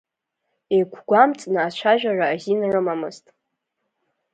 Еиқәгәамҵны ацәажәара азин рымамызт.